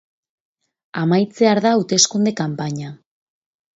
Amaitzear da hauteskunde kanpaina.